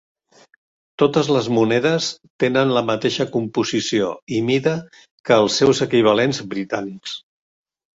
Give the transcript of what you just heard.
Totes les monedes tenen la mateix composició i mida que els seus equivalents britànics.